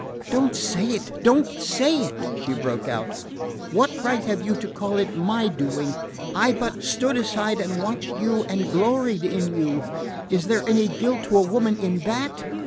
"Don't say it, don't say it!" she broke out. "What right have they to call it my doing? I but stood aside and watched you and gloried in you is there any guilt to a woman in THAT?"